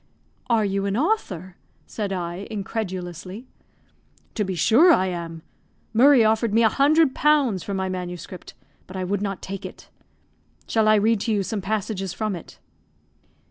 "Are you an author," said I, incredulously. "To be sure I am. Murray offered me 100 pounds for my manuscript, but I would not take it. Shall I read to you some passages from it?"